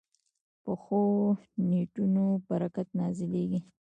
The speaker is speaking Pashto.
پخو نیتونو برکت نازلېږي